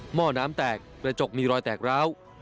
ห้อน้ำแตกกระจกมีรอยแตกร้าว